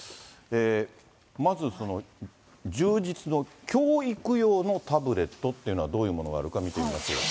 まず、充実の教育用のタブレットというのは、どういうものがあるか見てみましょう。